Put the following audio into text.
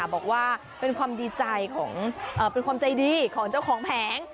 บอกว่าเป็นความดีใจเป็นความใจดีของเจ้าของแผง